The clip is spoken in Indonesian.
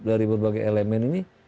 dari berbagai elemen ini